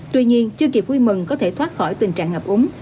tuy nhiên chưa kịp vui mừng có thể thoát khỏi tình trạng ngập úng